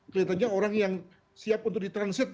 kelihatannya orang yang siap untuk di transit